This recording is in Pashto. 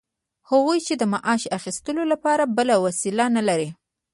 هغوی چې د معاش اخیستلو لپاره بله وسیله نلري